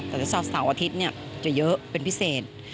แต่เสาร์อาทิตย์จะเยอะเป็นพิเศษ